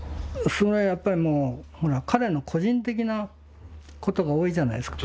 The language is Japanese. それはやっぱりもうほら彼の個人的なことが多いじゃないですか。